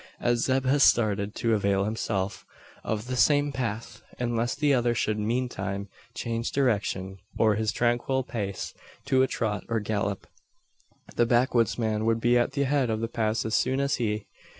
As Zeb had started to avail himself of the same path, unless the other should meantime change direction, or his tranquil pace to a trot or gallop, the backwoodsman would be at the head of the pass as soon as he.